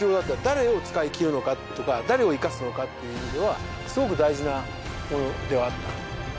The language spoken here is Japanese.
誰を使い切るのかとか誰を生かすのかっていう意味ではすごく大事なものではあった。